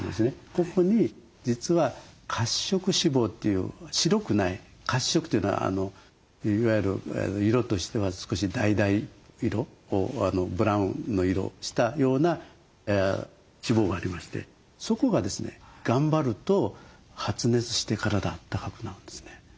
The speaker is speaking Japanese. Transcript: ここに実は褐色脂肪という白くない褐色というのはいわゆる色としては少しだいだい色ブラウンの色をしたような脂肪がありましてそこが頑張ると発熱して体あったかくなるんですね。